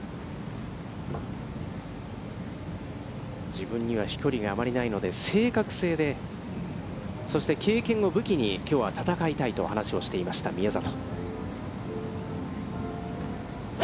自分には飛距離があまりないので、正確性で、そして経験を武器にきょうは戦いたいと話をしていました宮里。